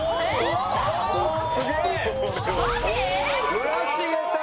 村重さん。